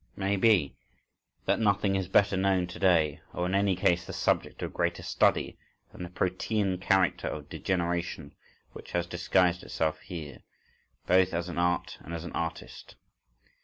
Maybe, that nothing is better known to day, or in any case the subject of greater study, than the Protean character of degeneration which has disguised itself here, both as an art and as an artist.